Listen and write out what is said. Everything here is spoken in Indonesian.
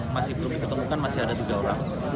masih belum diketemukan masih ada tiga orang